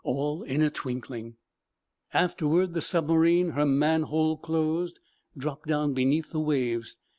All in a twinkling, afterward, the submarine, her manhole closed, dropped down beneath the waves.